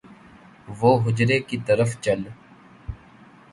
وہ حجرے کی طرف چل